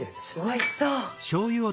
おいしそう！